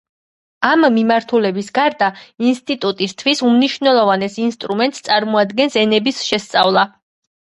ამ მიმართულებების გარდა ინსტუტუტისთვის უმნიშვნელოვანეს ინსტრუმენტს წარმოადგენს ენების შესწავლა.